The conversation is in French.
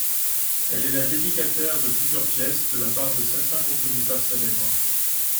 Elle est la dédicataire de plusieurs pièces de la part de certain compositeurs célèbres.